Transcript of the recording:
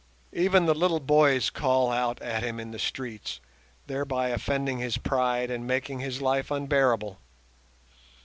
Even the little boys call out at him in the streets, thereby offending his pride and making his life unbearable.